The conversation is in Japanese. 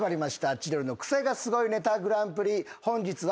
『千鳥のクセがスゴいネタＧＰ』本日は。